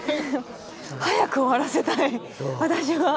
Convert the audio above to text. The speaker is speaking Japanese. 早く終わらせたい私は。